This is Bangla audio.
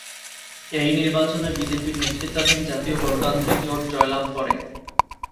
এই নির্বাচনে বিজেপির নেতৃত্বাধীন জাতীয় গণতান্ত্রিক জোট জয়লাভ করে।